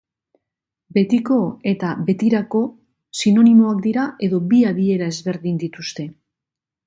Betiko eta betirako sinonimoak dira edo bi adiera ezberdin dituzte?